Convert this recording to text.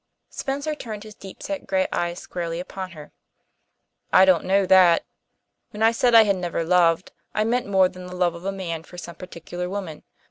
Spencer turned his deep set grey eyes squarely upon her. "I don't know that. When I said I had never loved, I meant more than the love of a man for some particular woman.